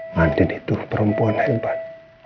nandin itu perempuan hebat